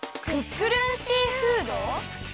クックルンシーフード？